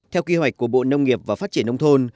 theo kế hoạch của bộ nông nghiệp và phát triển nông thôn